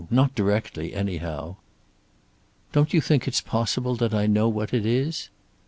Not directly, anyhow." "Don't you think it's possible that I know what it is?"